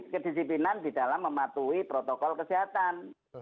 kedisiplinan di dalam mematuhi protokol kesehatan